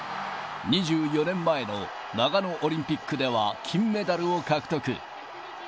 ２４年前の長野オリンピックでは金メダルを獲得。